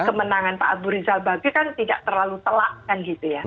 kemenangan pak abu rizal bagri kan tidak terlalu telak kan gitu ya